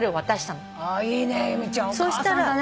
いいね由美ちゃんお母さんだね。